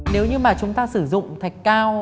nếu như chúng ta sử dụng thạch cao